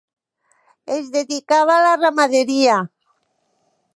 Es dedicava a la ramaderia.